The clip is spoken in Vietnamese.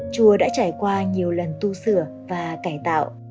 chùa đã trải qua nhiều lần tu sửa và cải tạo